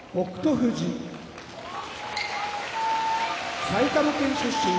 富士埼玉県出身